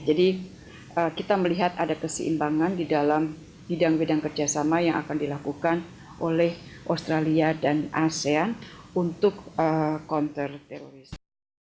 jadi kita melihat ada keseimbangan di dalam bidang bidang kerjasama yang akan dilakukan oleh australia dan asean untuk kontrterorisme